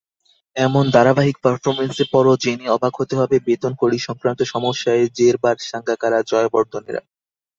এমন ধারাবাহিক পারফরম্যান্সের পরও জেনে অবাক হতে হবে বেতনকড়ি সংক্রান্ত সমস্যায় জেরবার সাঙ্গাকারা-জয়াবর্ধনেরা।